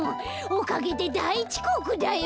おかげでだいちこくだよ。